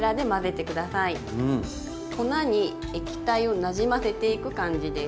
粉に液体をなじませていく感じです。